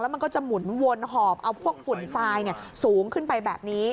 มันก็จะหมุนวนหอบเอาพวกฝุ่นทรายสูงขึ้นไปแบบนี้